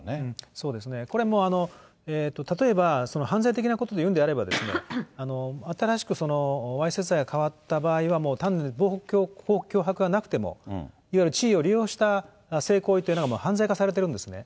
そうですね、これ、もう例えば犯罪的なことでいうんであれば、新しくわいせつ罪がかわった場合はもう単なる脅迫がなくても、いわゆる地位を利用した性行為というのは犯罪化されてるんですね。